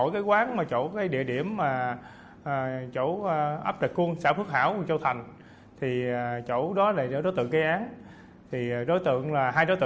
clue bấm chọn trong duyisa r